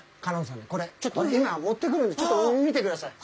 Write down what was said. ちょっと今持ってくるんでちょっと見てください。